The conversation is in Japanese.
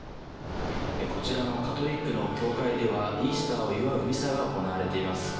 こちらのカトリックの教会ではイースターを祝うミサが行われています。